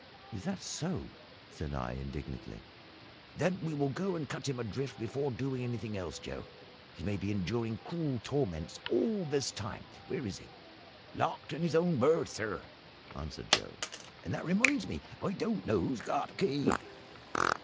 "Is that so?" said I, indignantly. "Then we will go and cut him adrift before doing anything else, Joe. He may be enduring cruel torments all this time. Where is he?" "Locked in his own berth, sir," answered Joe. "And that reminds me, I don't know who's got the key."